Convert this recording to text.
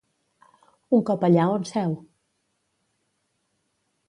Un cop allà on seu?